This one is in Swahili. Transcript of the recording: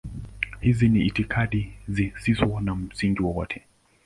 Hizi ni itikadi zisizo na msingi wowote.